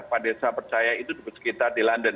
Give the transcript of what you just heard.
pak desa percaya itu dut besar sekitar di london